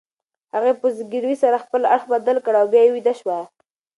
هغې په زګیروي سره خپل اړخ بدل کړ او بیا ویده شوه.